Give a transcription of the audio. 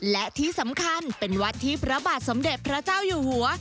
และที่สำคัญเป็นวัดที่พระบาทสมเด็จพระเจ้าอยู่หัว